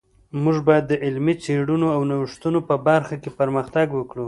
موږ باید د علمي څیړنو او نوښتونو په برخه کی پرمختګ ورکړو